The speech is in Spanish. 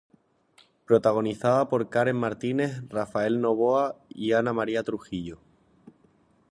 Protagonizada por Karen Martínez, Rafael Novoa y Ana María Trujillo.